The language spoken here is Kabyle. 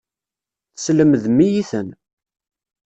Teslemdem-iyi-ten.